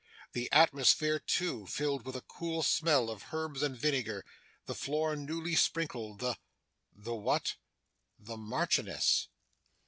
The atmosphere, too, filled with a cool smell of herbs and vinegar; the floor newly sprinkled; the the what? The Marchioness?